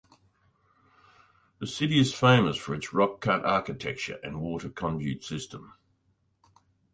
The city is famous for its rock-cut architecture and water conduit system.